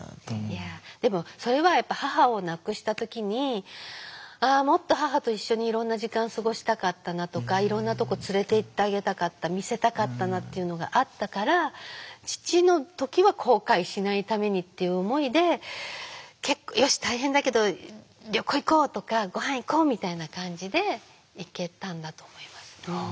いやでもそれは母を亡くした時に「ああもっと母と一緒にいろんな時間過ごしたかったな」とか「いろんなとこ連れていってあげたかった見せたかったな」というのがあったからっていう思いで「よし大変だけど旅行行こう」とか「ごはん行こう」みたいな感じで行けたんだと思います。